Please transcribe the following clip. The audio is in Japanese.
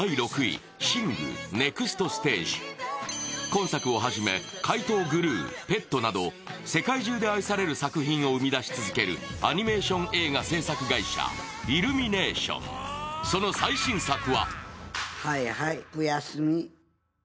今作をはじめ「怪盗グルー」、「ペット」など世界中で愛される作品を生み出し続けるアニメーション映画製作会社、イルミネーション、その最新作は。